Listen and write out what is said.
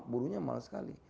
buruhnya mahal sekali